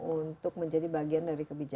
untuk menjadi bagian dari kebijakan